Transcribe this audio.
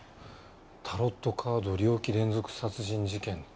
「タロットカード猟奇連続殺人事件」。